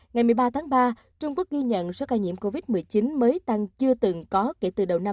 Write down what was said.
ngày một mươi ba tháng ba trung quốc ghi nhận số ca nhiễm covid một mươi chín mới tăng chưa từng có kể từ đầu năm hai nghìn hai